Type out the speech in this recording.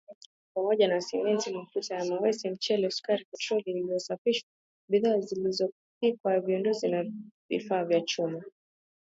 ni pamoja na Simenti, mafuta ya mawese, mchele, sukari, petroli iliyosafishwa, bidhaa zilizopikwa, vipodozi na vifaa vya chuma.